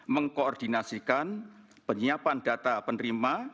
mengkoordinasikan penyiapan data penerima